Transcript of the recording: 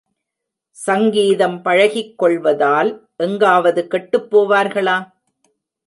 சங்கீதம் பழகிக் கொள்வதால் எங்காவது கெட்டுப் போவார்களா?